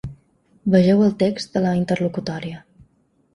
Vegeu el text de la interlocutòria.